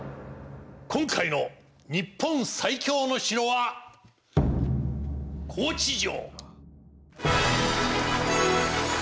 今回の日本最強の城は高知城！